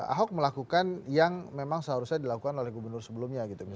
ahok melakukan yang memang seharusnya dilakukan oleh gubernur sebelumnya gitu